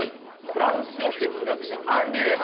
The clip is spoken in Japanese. フランスの哲学者アンリです。